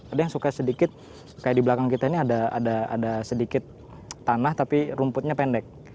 ada yang suka sedikit kayak di belakang kita ini ada sedikit tanah tapi rumputnya pendek